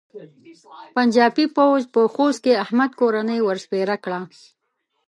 پنجاپي پوځ په خوست کې احمد کورنۍ ور سپېره کړه.